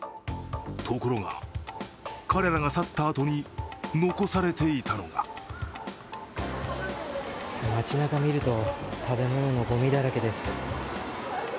ところが、彼らが去ったあとに残されていたのが街なか見ると、食べ物のごみだらけです。